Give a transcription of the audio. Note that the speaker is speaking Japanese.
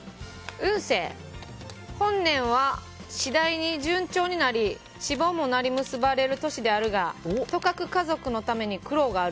運勢、本年は次第に順調になり結ばれる年になるがとかく家族のために苦労がある。